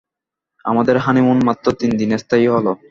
আমাদের হানিমুন মাত্র তিন দিন স্থায়ী হল।